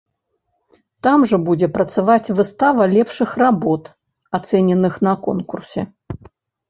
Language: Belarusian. Там жа будзе працаваць выстава лепшых работ, ацэненых на конкурсе.